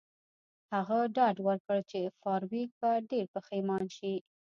هغه ډاډ ورکړ چې فارویک به ډیر پښیمانه شي